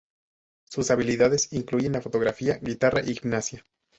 Sus habilidades incluyen la fotografía, guitarra y gimnasia.